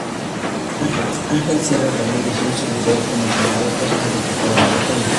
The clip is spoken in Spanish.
Ángel Sierra Ramírez y un servidor como candidatos a Diputados Locales.